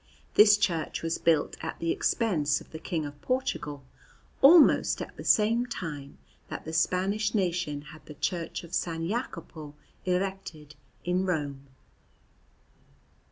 This church was built at the expense of the King of Portugal, almost at the same time that the Spanish nation had the Church of S. Jacopo erected in Rome.